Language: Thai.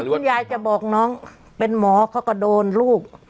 คุณยายจะบอกน้องเป็นหมอเขาก็โดนลูก